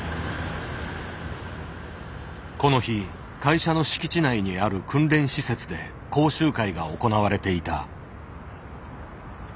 この日会社の敷地内にある訓練施設で講習会が行われていた。